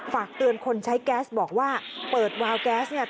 ฝากเตือนคนใช้แก๊สบอกว่าเปิดวาวแก๊สเนี่ย